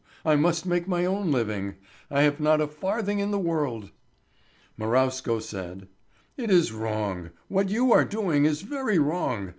I must make my own living. I have not a farthing in the world." Marowsko said: "It is wrong; what you are doing is very wrong.